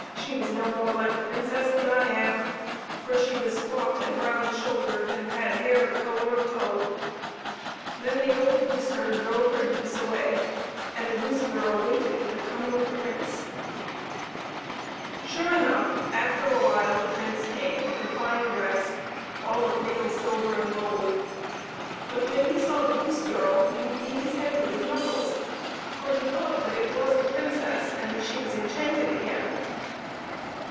she was no more like a Princess than I am, for she was squat, and round shouldered, and had hair of the color of tow. Then the old goose herd drove her geese away, and the goose girl waited for the coming of the Prince. 9 6 PEPPER AND SALT. Sure enough, after a while the Prince came with a fine dress, all of real silver and gold; but when he saw the goose girl he beat his head with his knuckles, for he thought that it was the Princess, and that she was enchanted again.